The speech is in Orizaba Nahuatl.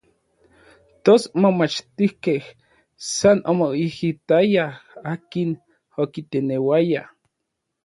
Tos momachtijkej san omoijitayaj, akin okiteneuaya.